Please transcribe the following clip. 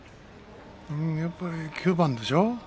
やっぱり９番でしょう